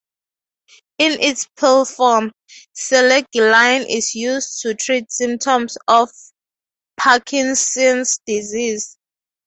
In its pill form, selegiline is used to treat symptoms of Parkinson's disease.